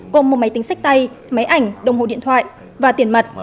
gồm một máy tính sách tay máy ảnh đồng hồ điện thoại và tiền mặt